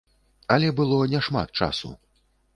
Але было няшмат часу.